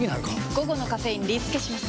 午後のカフェインリスケします！